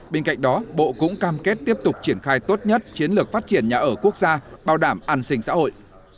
bên cạnh đó bộ cũng cam kết tiếp tục triển khai tốt nhất chiến lược phát triển nhà ở quốc gia bảo đảm an sinh xã hội